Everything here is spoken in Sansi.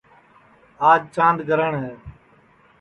آج چاند گرہٹؔ ہے